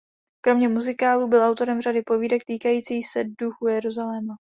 Kromě muzikálů byl autorem řady povídek týkajících se duchu Jeruzaléma.